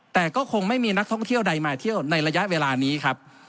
แต่ก็คงไม่มีนักท่องเที่ยวใดมาเที่ยวในระยะเวลานี้ครับ